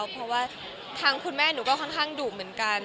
เพราะว่าทางคุณแม่หนูก็ค่อนข้างดุเหมือนกัน